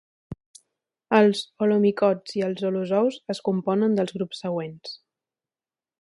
Els holomicots i els holozous es componen dels grups següents.